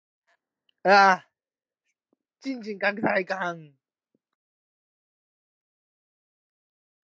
Although scripted, it expanded on real-life events.